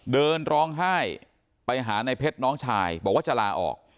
เดินร้องไห้ไปหาในเพชรน้องชายบอกว่าจะลาออก